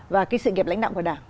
và cái sự nghiệp lãnh đạo của đảng